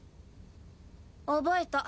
覚えた。